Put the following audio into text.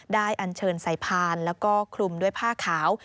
ได้อันเชิญสายพานและก็คลุมด้วยผ้าขาว